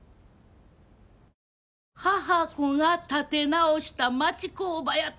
「母娘が立て直した町工場」やて。